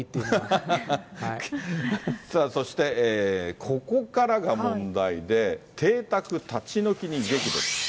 そして、ここからが問題で、邸宅立ち退きに激怒。